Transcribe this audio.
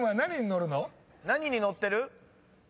何に乗ってる？